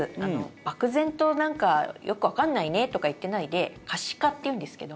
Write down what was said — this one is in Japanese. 漠然となんかよくわかんないねとか言ってないで可視化っていうんですけど。